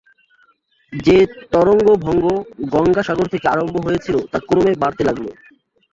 যে তরঙ্গভঙ্গ গঙ্গাসাগর থেকে আরম্ভ হয়েছিল, তা ক্রমে বাড়তে লাগল।